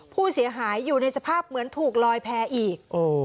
ผู้เสียหายอยู่ในสภาพเหมือนถูกลอยแพ้อีก